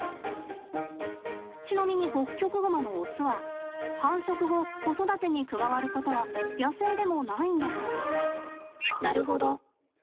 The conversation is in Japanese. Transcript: ちなみにホッキョクグマのオスは繁殖後、子育てに加わることは野生でもないんだそうです。